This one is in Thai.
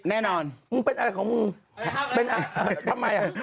แน่นอนมึงเป็นอะไรของมึง